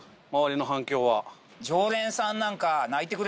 常連さんなんか。